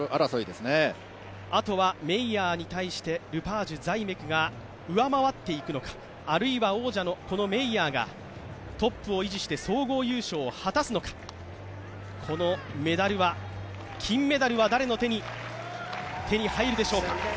あとはメイヤーに対してルパージュ、ザイメクが上回っていくのか、あるいは王者のメイヤーがトップを維持して総合優勝を果たすのか、このメダルは、金メダルは誰の手に入るでしょうか。